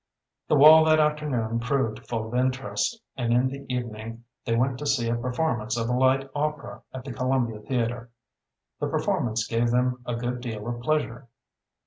The walk that afternoon proved full of interest, and in the evening they went to see a performance of a light opera at the Columbia Theater. The performance gave them a good deal of pleasure.